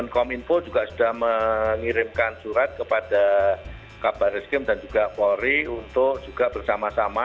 kominfo juga sudah mengirimkan surat kepada kabar reskrim dan juga polri untuk juga bersama sama